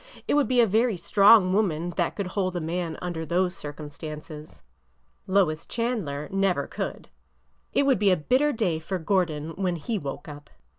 It would be a very strong woman that could hold a man under those circumstances. Lois Chandler never could! It would be a bitter day for Gordon when he woke up."